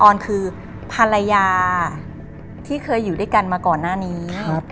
ออนคือภรรยาที่เคยอยู่ด้วยกันมาก่อนหน้านี้